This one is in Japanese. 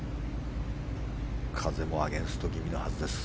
風もアゲンスト気味のはずです。